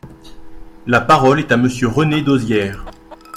La parole est à Monsieur René Dosière.